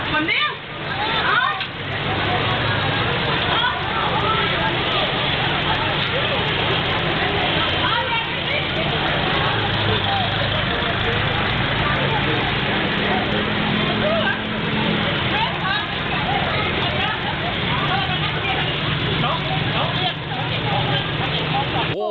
เวลาไปนิด